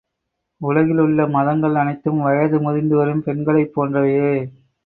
உலகில் உள்ள மதங்கள் அனைத்தும் வயது முதிர்ந்துவரும் பெண்களைப் போன்றவையே.